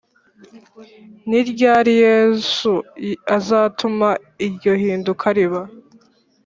Ni ryari Yesu azatuma iryo hinduka riba